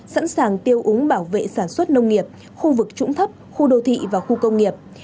sẵn sàng tiêu úng bảo vệ sản xuất nông nghiệp khu vực trũng thấp khu đô thị và khu công nghiệp